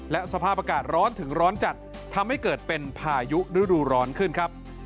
และสภาพอากาศร้อนถึงร้อนจัดทำให้เกิดเป็นพายุฤดูร้อนขึ้นครับ